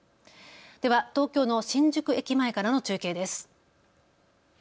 では東京の新宿駅前からの中継です。